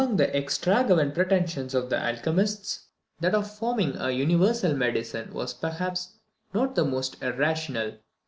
Among the extravagant pretensions of the alchemists, that of forming a universal medicine was perhaps not the most irrational.